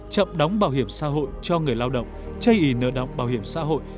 chậm đóng bảo hiểm xã hội cho người lao động chây ý nợ đọng bảo hiểm xã hội